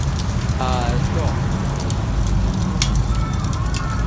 A això es van dedicar tota l’estona.